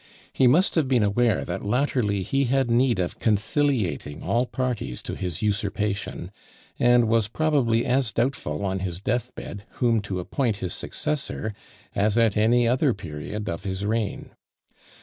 He must have been aware that latterly he had need of conciliating all parties to his usurpation, and was probably as doubtful on his death bed whom to appoint his successor as at any other period of his reign.